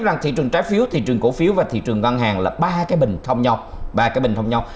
rằng thị trường trái phiếu thị trường cổ phiếu và thị trường ngân hàng là ba cái bình thông nhau